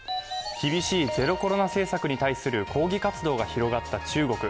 厳しいゼロコロナ政策に対する抗議活動が広がった中国。